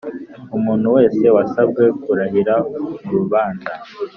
Umuntu wese wasabwe kurahira mu rubanza